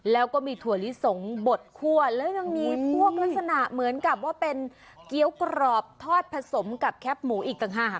แล้วก็มีถั่วลิสงบดคั่วแล้วยังมีพวกลักษณะเหมือนกับว่าเป็นเกี้ยวกรอบทอดผสมกับแคปหมูอีกต่างหาก